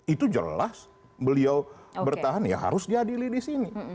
itu jelas beliau bertahan ya harus diadili disini